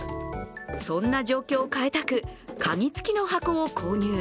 そんな状況を変えたく鍵つきの箱を購入。